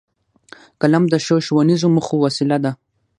قلم د ښو ښوونیزو موخو وسیله ده